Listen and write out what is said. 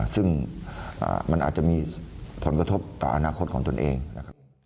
ซึ่งมันอาจจะมีผลกระทบต่ออนาคตของตนเองนะครับ